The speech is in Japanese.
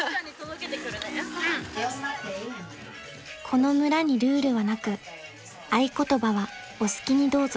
［この村にルールはなく合言葉は「お好きにどうぞ」］